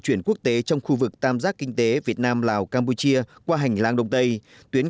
kinh tế trong khu vực tam giác kinh tế việt nam lào campuchia qua hành lang đông tây tuyến